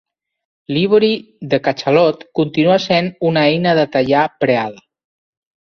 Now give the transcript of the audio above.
L'ivori de catxalot continua sent una eina de tallar preada.